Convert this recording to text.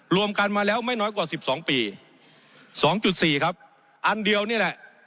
รวมกันมาแล้วไม่น้อยกว่า๑๒ปี๒๔ครับอันเดียวนี่แหละ